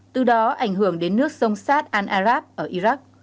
từ đó ảnh hưởng đến nước sông sát al arab ở iraq